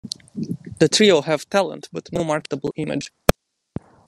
The trio have talent, but no marketable image.